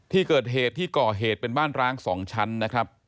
ที่เกิดเหตุที่ก่อเหตุเป็นบ้านร้าง๒ชั้นนะครับ